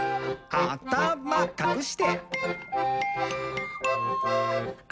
「あたまかくして！」